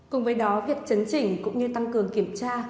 cùng với đó việc chấn chỉnh cũng như tăng cường kiểm tra